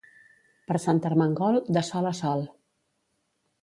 Per Sant Armengol, de sol a sol.